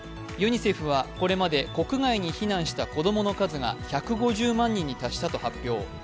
ユニセフはこれまで国外に避難した子供の数が１５０万人に達したと発表。